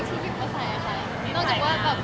คือวันนี้เป็นวันแรกที่หยุดมาใส่ค่ะ